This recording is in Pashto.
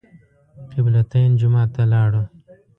قبله تین جومات ته لاړو.